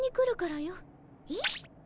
えっ？